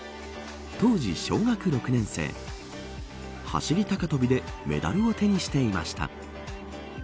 当時小学６年生走り高跳びでメダルを手にしていました。